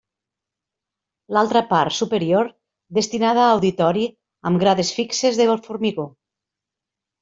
L'altra part, superior, destinada a auditori amb grades fixes de formigó.